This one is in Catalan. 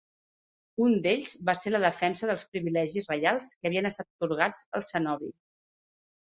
Un d'ells va ser la defensa dels privilegis reials que havien estat atorgats al cenobi.